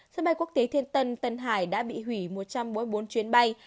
sân bay quốc tế thiên tân tân hải đã bị hủy một trăm bốn mươi bốn chuyến bay